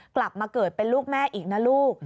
กลับมาเกิดเป็นลูกแม่อีกนะลูก